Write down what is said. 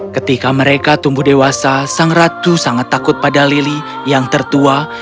ketika mereka tumbuh dewasa sang ratu sangat takut pada lili yang tertua